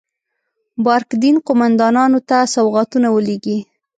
بارک دین قوماندانانو ته سوغاتونه ولېږي.